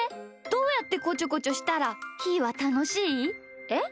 どうやってこちょこちょしたらひーはたのしい？えっ？